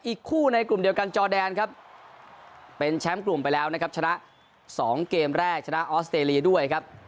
อีกคู่ในกลุ่มเดียวกันจอแดนครับเป็นแชมป์กลุ่มไปแล้วนะครับชนะ๒เกมแรกชนะออสเตรเลียด้วยครับ